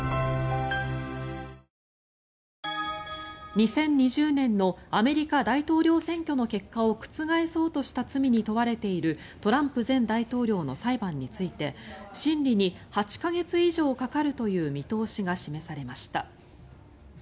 ２０２０年のアメリカ大統領選挙の結果を覆そうとした罪に問われているトランプ前大統領の裁判について審理に８か月以上かかるという見通しが示されました。